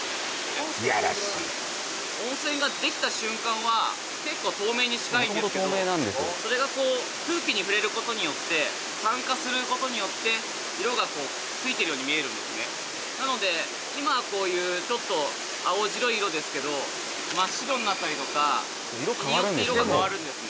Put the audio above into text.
いやらしい温泉ができた瞬間は結構透明に近いんですけどそれがこう空気に触れることによって酸化することによって色がこうついてるように見えるんですねなので今はこういうちょっと青白い色ですけど真っ白になったりとか日によって色が変わるんですね